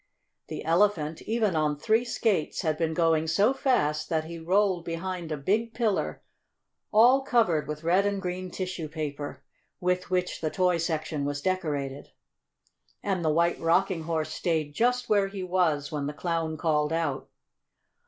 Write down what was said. The Elephant, even on three skates, had been going so fast that he rolled behind a big pillar all covered with red and green tissue paper, with which the toy section was decorated. And the White Rocking Horse stayed just where he was when the Clown called out.